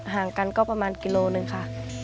ห่างกันก็ประมาณกิโลหนึ่งค่ะ